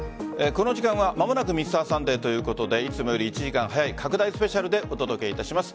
この時間は「間もなくＭｒ．サンデー」ということでいつもより１時間早い拡大スペシャルでお届けします。